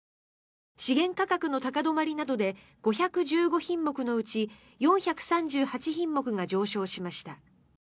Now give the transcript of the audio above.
資源価格の高止まりなどで５１５品目のうち４３８品目が上昇しました。